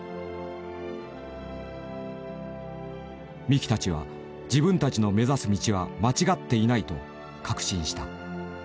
三木たちは自分たちの目指す道は間違っていないと確信した。